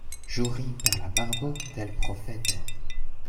Ĵuri per la barbo de l' profeto.